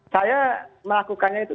saya melakukannya itu